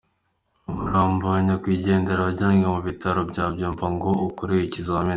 Umurambo wa nyakwigendera wajyanwe mu bitaro bya Byumba ngo ukorerwe ibizamini.